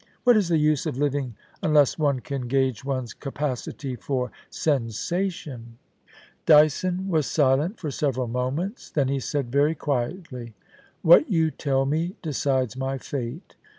WTiat is the use of living unless one can gauge one's capacity for sensation ?* Dyson was silent for several moments ; then he said very quietly :* What you tell me decides my fate.